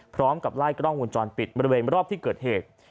พร้อมกับไล่กล้องวงจรปิดบริเวณรอบที่เกิดเหตุ